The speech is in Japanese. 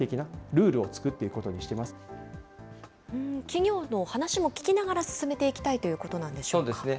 企業の話も聞きながら進めていきたいということなんでしょうそうですね。